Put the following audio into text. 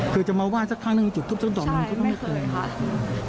คือจะมาว่าสักครั้งหนึ่งจุดทุบส้นต่อมันก็ไม่เคย